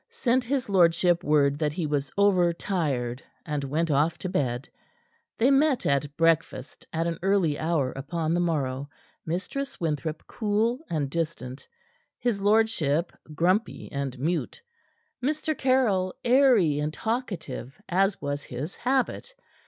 Sent his lordship word that he was over tired, and went off to bed. They met at breakfast, at an early hour upon the morrow, Mistress Winthrop cool and distant; his lordship grumpy and mute; Mr. Caryll airy and talkative as was his habit.